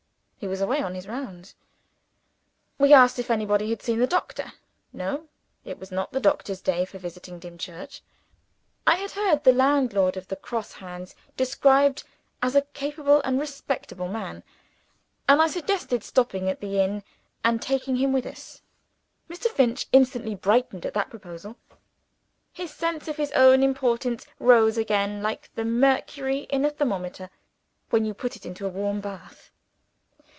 He was away on his rounds. We asked if anybody had seen the doctor. No: it was not the doctor's day for visiting Dimchurch. I had heard the landlord of the Gross Hands described as a capable and respectable man; and I suggested stopping at the inn, and taking him with us. Mr. Finch instantly brightened at that proposal. His sense of his own importance rose again, like the mercury in a thermometer when you put it into a warm bath.